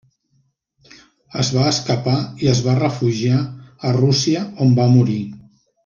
Es va escapar i es va refugiar a Rússia on va morir.